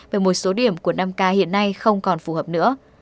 về một số điểm của năm k hiện nay không còn phù hợp nữa